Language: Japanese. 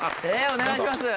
お願いします。